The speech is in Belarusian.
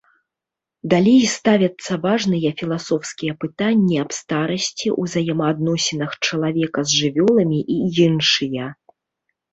Далей ставяцца важныя філасофскія пытанні аб старасці, узаемаадносінах чалавека з жывёламі і іншыя.